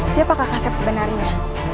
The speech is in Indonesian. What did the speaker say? siapakah kasep sebenarnya